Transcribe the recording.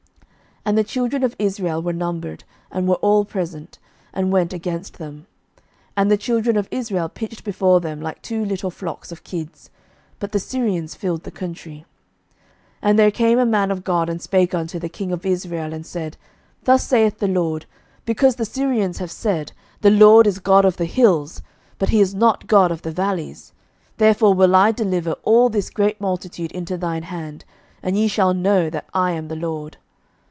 11:020:027 And the children of Israel were numbered, and were all present, and went against them: and the children of Israel pitched before them like two little flocks of kids; but the Syrians filled the country. 11:020:028 And there came a man of God, and spake unto the king of Israel, and said, Thus saith the LORD, Because the Syrians have said, The LORD is God of the hills, but he is not God of the valleys, therefore will I deliver all this great multitude into thine hand, and ye shall know that I am the LORD.